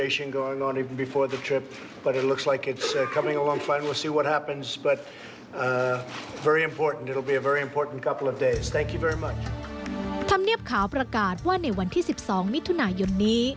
ธรรมเนียบขาวประกาศว่าในวันที่๑๒มิถุนายนนี้